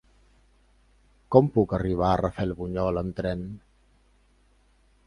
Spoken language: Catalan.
Com puc arribar a Rafelbunyol amb tren?